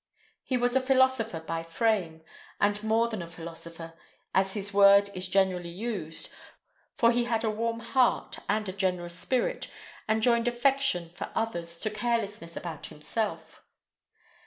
He was a philosopher by frame; and more than a philosopher, as the word is generally used, for he had a warm heart and a generous spirit, and joined affection for others to carelessness about himself.